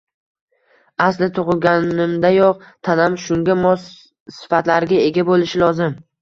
aslida, tug‘ilganimdayoq tanam shunga mos sifatlarga ega bo‘lishi lozim edi